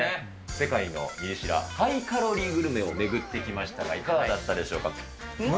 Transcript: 世界のミリ知らハイカロリーグルメを巡ってきましたが、いかがだったでしょうむ